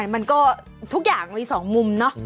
มันก็ทุกอย่างมันมี๒มุมเนอะ